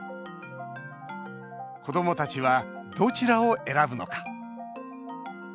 子どもたちはどちらを選ぶのか。